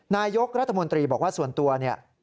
นายกรัฐมนตรีบอกว่าส่วนตัวเนี่ย